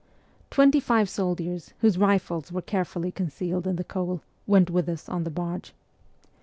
Twenty five soldiers, whose rifles were carefully concealed in the coal, went with us on the barge.